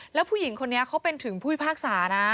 แล้วผู้หญิงคนนี้เขาเป็นถึงผู้พิพากษานะ